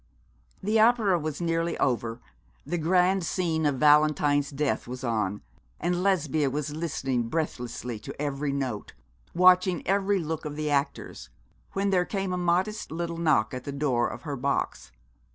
The opera was nearly over that grand scene of Valentine's death was on and Lesbia was listening breathlessly to every note, watching every look of the actors, when there came a modest little knock at the door of her box.